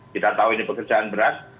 kita tahu ini pekerjaan berat